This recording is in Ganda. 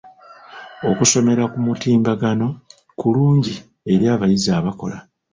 Okusomera ku mutimbagano kulungi eri abayizi abakola.